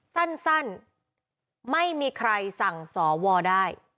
สั้นไม่มีใครสั่งสวได้